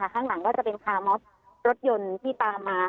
ข้างหลังก็จะเป็นคาร์มอฟรถยนต์ที่ตามมา